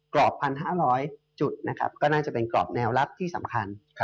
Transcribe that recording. กรอบ๑๕๐๐จุดก็น่าจะเป็นกรอบแนวลักษณ์ที่สำคัญ